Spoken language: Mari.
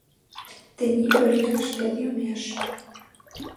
— Тений пӧръеҥ шкет йомеш.